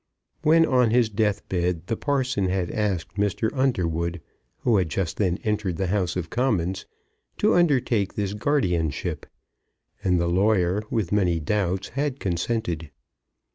When on his death bed, the parson had asked Mr. Underwood, who had just then entered the House of Commons, to undertake this guardianship; and the lawyer, with many doubts, had consented.